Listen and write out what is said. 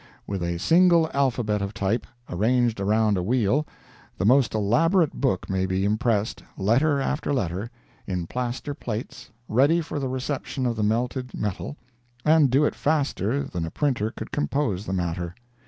With a single alphabet of type, arranged around a wheel, the most elaborate book may be impressed, letter after letter, in plaster plates, ready for the reception of the melted metal, and do it faster than a printer could compose the matter.